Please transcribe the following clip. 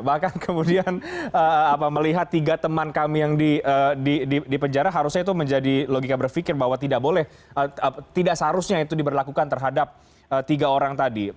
bahkan kemudian melihat tiga teman kami yang di penjara harusnya itu menjadi logika berpikir bahwa tidak boleh tidak seharusnya itu diberlakukan terhadap tiga orang tadi